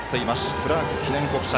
クラーク記念国際。